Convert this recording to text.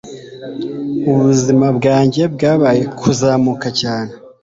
Ubuzima bwanjye bwabaye kuzamuka cyane